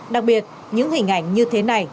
đặc biệt những hình ảnh như thế này